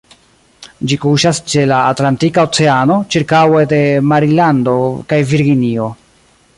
Ĝi kuŝas ĉe la Atlantika Oceano, ĉirkaŭe de Marilando kaj Virginio.